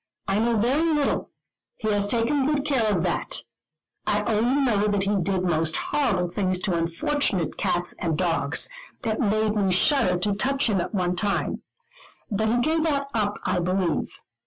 "I know very little; he has taken good care of that. I only know that he did most horrible things to unfortunate cats and dogs. It made me shudder to touch him at one time. But he gave that up I believe.